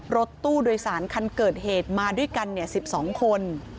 รถตู้โดยสารคันเกิดเหตุมาด้วยกัน๑๒คน